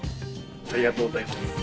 ありがとうございます。